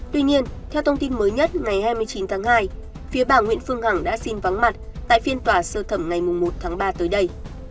tuy nhiên theo thông tin mới nhất ngày hai mươi chín tháng hai phía bà nguyễn phương hằng đã xin vắng mặt tại phiên tòa sơ thẩm ngày một tháng ba tới đây